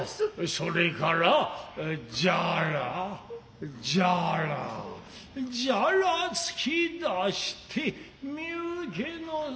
それからじゃらじゃらじゃらつき出して身請けの相。